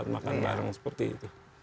makan bareng seperti itu